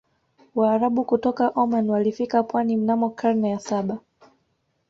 waarabu kutoka oman walifika pwani mnamo karne ya saba